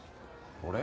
俺？